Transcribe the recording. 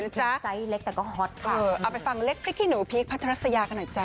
เอาไปฟังแรกติดเพลิงผิดพัทธราชยากันนะจ๊ะ